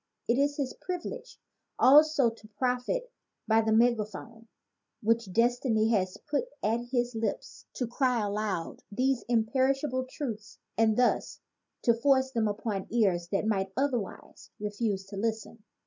It is his privilege also to profit by the megaphone which destiny has put at his lips to cry aloud these imperishable truths and thus to force them upon ears that might otherwise re fuse to listen.